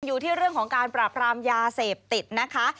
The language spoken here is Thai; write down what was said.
อยู่ที่เรื่องของการปราบรามยาเสพติดนะคะ